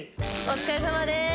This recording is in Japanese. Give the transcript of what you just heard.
お疲れさまです。